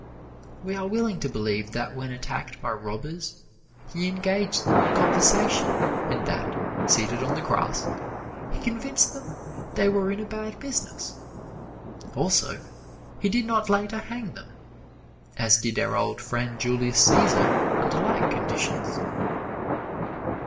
We are willing to believe that when attacked by robbers, he engaged them in conversation and that, seated on the grass, he convinced them they were in a bad business. Also, he did not later hang them, as did our old friend Julius Cæsar under like conditions.